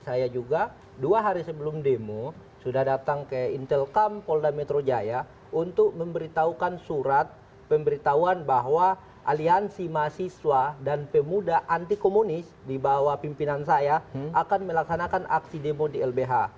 saya juga dua hari sebelum demo sudah datang ke intelkam polda metro jaya untuk memberitahukan surat pemberitahuan bahwa aliansi mahasiswa dan pemuda anti komunis di bawah pimpinan saya akan melaksanakan aksi demo di lbh